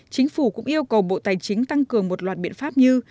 chính phủ cũng yêu cầu bộ tài chính tăng cường một loạt biện pháp như